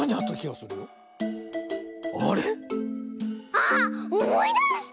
あっおもいだした！